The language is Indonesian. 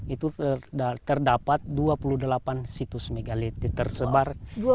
itu terdapat dua puluh delapan situs megalitik tersebar